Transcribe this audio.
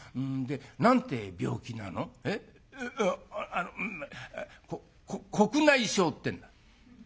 あこ黒内障ってんだ」。